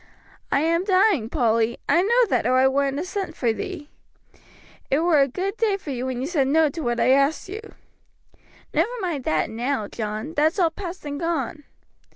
"I am dying, Polly; I know that, or I wouldn't have sent for ye. It was a good day for you when you said no to what I asked you." "Never mind that now, John; that's all past and gone."